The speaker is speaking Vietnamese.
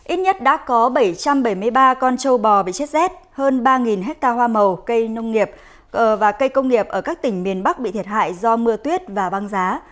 ít nhất đã có bảy trăm bảy mươi ba con trâu bò bị chết rét hơn ba hecta hoa màu cây công nghiệp ở các tỉnh miền bắc bị thiệt hại do mưa tuyết và băng giá